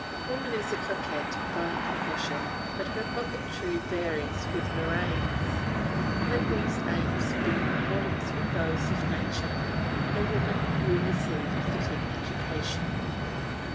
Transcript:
Woman is a coquette by profession, but her coquetry varies with her aims; let these aims be in accordance with those of nature, and a woman will receive a fitting education.